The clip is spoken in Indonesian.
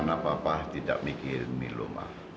gimana papa tidak mikirin ini loh mak